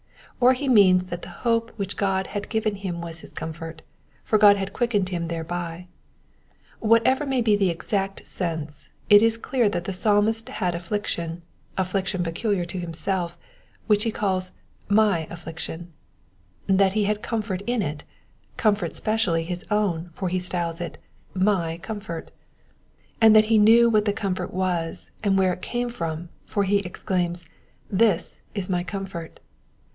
Or he means that the hope which God had given him was his comfort, for God had quickened him thereby. What ever may be the exact sense, it is clear that the Psalmist had affliction, — affliction peculiar to himself, which he calls ^^ my affliction" ; that he had comfort in it, — comfort specially his own, for he styles it '* my comfort *'; and that he knew what the comfort was, and where it came from, for he exclaims —<Aw is my comfort."